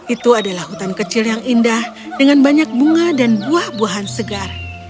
itu adalah hutan kecil yang indah dengan banyak bunga dan buah buahan segar